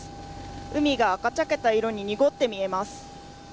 海が赤茶けた色に濁って見えます。